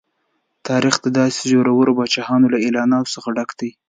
تاریخ د داسې زورورو پاچاهانو له اعلانونو څخه ډک دی.